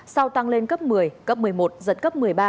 sau tăng lên cấp một mươi cấp một mươi một giật cấp một mươi ba